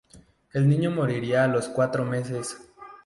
El niño moriría a los cuatro meses.